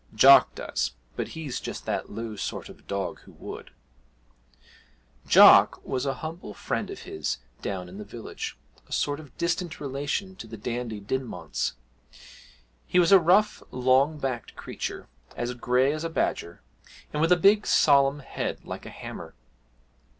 Jock does but he's just that low sort of dog who would!' Jock was a humble friend of his down in the village, a sort of distant relation to the Dandie Dinmonts; he was a rough, long backed creature, as grey as a badger, and with a big solemn head like a hammer.